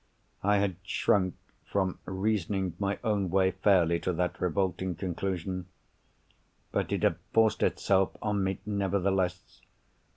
I had shrunk from reasoning my own way fairly to that revolting conclusion. But it had forced itself on me, nevertheless.